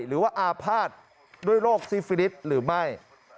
หรือว่าอาภาษณ์ด้วยโรคซิฟินิสหรือไม่